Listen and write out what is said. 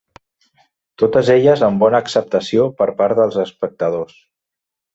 Totes elles amb bona acceptació per part dels espectadors.